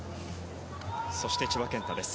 そして、千葉健太です。